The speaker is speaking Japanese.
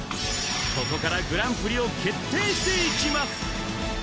ここからグランプリを決定していきます